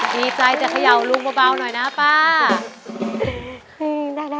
ดีใจจะเขย่าลุงเบาหน่อยนะป้า